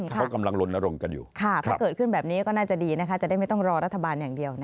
ถ้าเกิดขึ้นแบบนี้ก็น่าจะดีนะคะจะได้ไม่ต้องรอรัฐบาลอย่างเดียวนะครับ